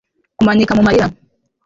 Kumanika mumarira